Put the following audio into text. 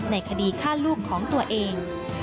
ในคดีฆ่าลูกของตัวเอง